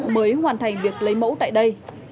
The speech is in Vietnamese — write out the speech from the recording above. mới hoàn thành việc lấy mẫu tại đây